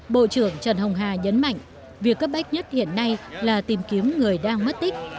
bộ trưởng trần hồng hà nhấn mạnh việc cấp bách nhất hiện nay là tìm kiếm người đang mất tích